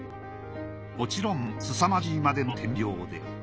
もちろんすさまじいまでの点描で。